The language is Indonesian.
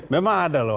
memang ada loh